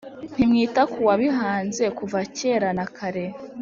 ntimwita ku Uwabihanze, kuva kera na kare.